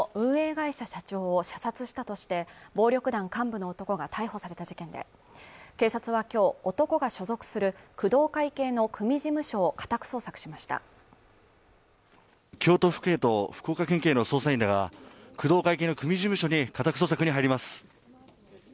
会社社長を射殺したとして暴力団幹部の男が逮捕された事件で警察はきょう男が所属する工藤会系の組事務所を家宅捜索しました京都府警と福岡県警の捜査員が工藤会系の組事務所に家宅捜索に入ります